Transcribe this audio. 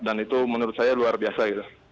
dan itu menurut saya luar biasa